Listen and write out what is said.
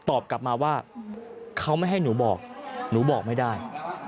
ตอบกลับมาว่าเขาไม่ให้หนูบอกหนูบอกไม่ได้